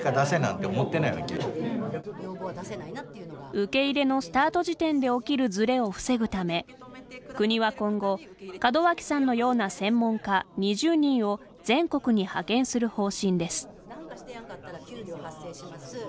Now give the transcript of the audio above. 受け入れのスタート時点で起きるズレを防ぐため、国は今後門脇さんのような専門家２０人を全国に派遣する方針です。